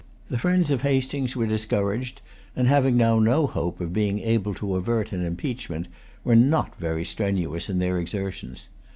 The friends of Hastings were discouraged, and, having now no hope of being able to avert an impeachment, were not very strenuous in their exertions.